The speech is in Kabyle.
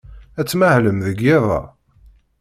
Ad tmahlem deg yiḍ-a?